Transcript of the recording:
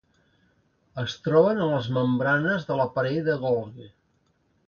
Es troben en les membranes de l'aparell de Golgi.